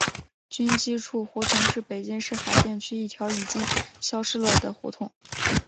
军机处胡同是北京市海淀区一条已经消失了的胡同。